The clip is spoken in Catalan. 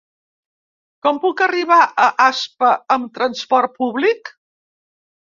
Com puc arribar a Aspa amb trasport públic?